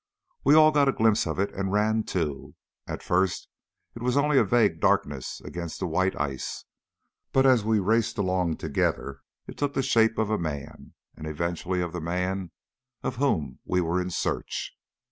We all got a glimpse of it and ran too. At first it was only a vague darkness against the white ice, but as we raced along together it took the shape of a man, and eventually of the man of whom we were in search.